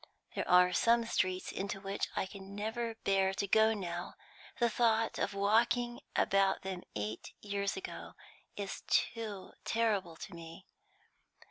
There are some streets into which I can never bear to go now; the thought of walking about them eight years ago is too terrible to me.